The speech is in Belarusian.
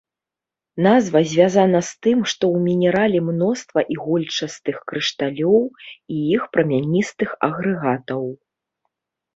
Назва звязана з тым, што ў мінерале мноства ігольчастых крышталёў і іх прамяністых агрэгатаў.